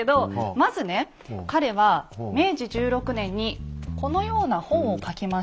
まずね彼は明治１６年にこのような本を書きました。